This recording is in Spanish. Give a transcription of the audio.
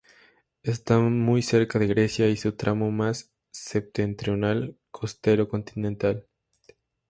Está muy cerca de Grecia y su tramo más septentrional costero continental.